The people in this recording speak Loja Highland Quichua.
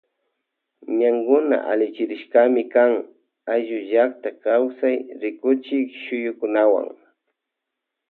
Ñañnkuna allichirishkami kan ayllu llakta kawsay rikuchik shuyukunawan.